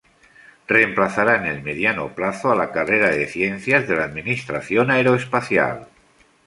Reemplazará en el mediano plazo a la carrera de Ciencias de la Administración Aeroespacial.